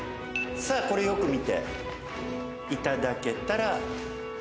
これよく見ていただけたら。